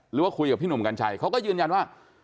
หรือว่าคุยกับพี่หนุ่มกัญชัยเขาก็ยืนยันว่า